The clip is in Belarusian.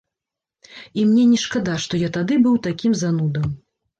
І мне не шкада, што я тады быў такім занудам.